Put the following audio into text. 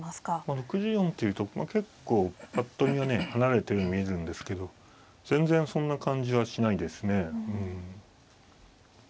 ６４っていうと結構ぱっと見はね離れてるように見えるんですけど全然そんな感じはしないですね。